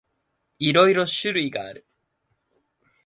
いろいろ種類がある。